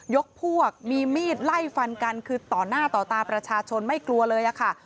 ยกพวกมีมีดไล่ฟันกันคือต่อหน้าต่อตาประชาชนไม่กลัวเลยค่ะ